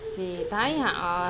thì thấy họ